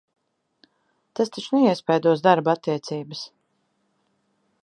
Tas taču neiespaidos darba attiecības?